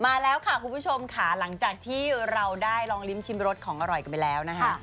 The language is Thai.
มาแล้วค่ะคุณผู้ชมค่ะหลังจากที่เราได้ลองลิ้มชิมรสของอร่อยกันไปแล้วนะคะ